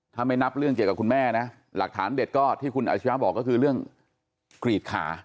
ถ้าไม่นับเรื่องเกี่ยวกับคุณแม่นะหลักฐานเด็ดก็ที่คุณอาชิระบอกก็คือเรื่องกรีดขา